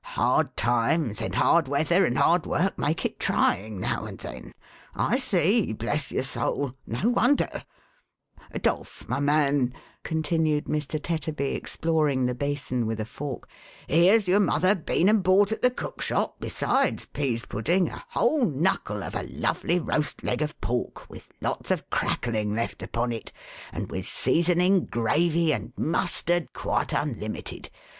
Hard times, and hard weather, and hard work, make it trying now and then. I see, bless your soul ! No wonder ! 'Dolf, my man," continued Mr. Tetterby, exploring the basin with a fork, " here's your mother been and bought, at the cook's shop, besides pease pudding, a whole knuckle of a lovely roast leg of pork, with lots of crackling left upon it, and with seasoning gravy and mustard quite unlimited.